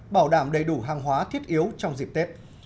bảo đảm đầy đủ hàng hóa thiết yếu trong dịp tết